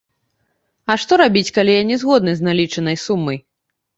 А што рабіць, калі я не згодны з налічанай сумай?